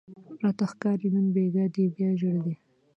راته ښکاري نن بیګاه دې بیا ژړلي